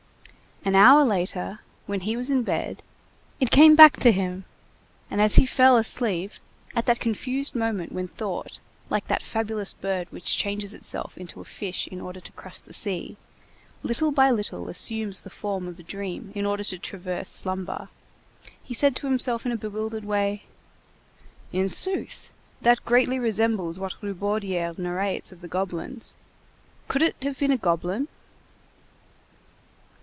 An hour later, when he was in bed, it came back to him, and as he fell asleep, at that confused moment when thought, like that fabulous bird which changes itself into a fish in order to cross the sea, little by little assumes the form of a dream in order to traverse slumber, he said to himself in a bewildered way:— "In sooth, that greatly resembles what Rubaudière narrates of the goblins. Could it have been a goblin?"